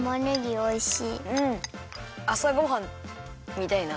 あさごはんみたいな。